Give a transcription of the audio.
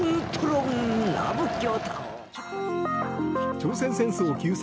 朝鮮戦争休戦